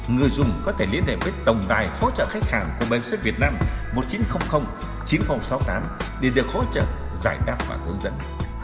người dùng có thể liên hệ với tổng đài hỗ trợ khách hàng của bảo hiểm xã hội việt nam một nghìn chín trăm linh chín nghìn sáu mươi tám để được hỗ trợ giải đáp và hướng dẫn